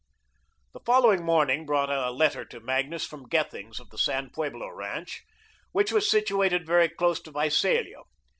The following morning brought a letter to Magnus from Gethings, of the San Pueblo ranch, which was situated very close to Visalia.